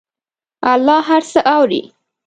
الله هر څه اوري.